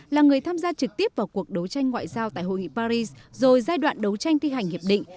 là người tham gia trực tiếp vào cuộc đấu tranh ngoại giao tại hội nghị paris rồi giai đoạn đấu tranh thi hành hiệp định